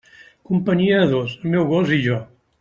Companyia de dos, el meu gos i jo.